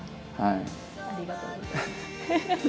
ありがとうございます。